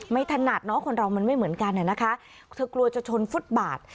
ถนัดเนอะคนเรามันไม่เหมือนกันนะคะเธอกลัวจะชนฟุตบาท